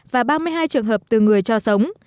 và ba mươi hai trường hợp từ người cho sống